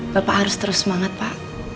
bapak harus terus semangat pak